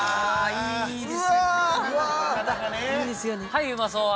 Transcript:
はいうまそう！